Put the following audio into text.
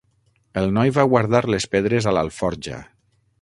El noi va guardar les pedres a l'alforja.